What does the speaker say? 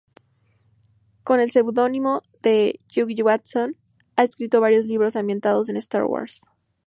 Con el seudónimo de "Jude Watson" ha escrito varios libros ambientados en "Star Wars".